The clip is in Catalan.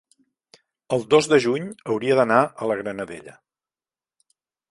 el dos de juny hauria d'anar a la Granadella.